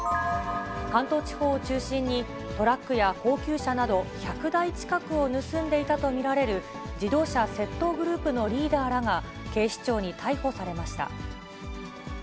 関東地方を中心に、トラックや高級車など１００台近くを盗んでいたと見られる、自動車窃盗グループのリーダーらが警視庁に逮捕されました。